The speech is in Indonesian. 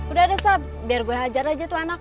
udah deh sab biar gue hajar aja tuh anak